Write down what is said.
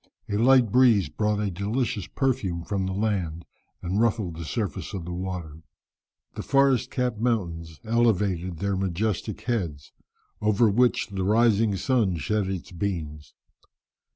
A light breeze brought a delicious perfume from the land, and ruffled the surface of the water. The forest capped mountains elevated their majestic heads, over which the rising sun shed his beams.